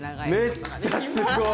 めっちゃすごい！